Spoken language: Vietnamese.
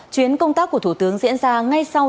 chuyến công tác của thủ tướng diễn ra ngay sau chuyến thắng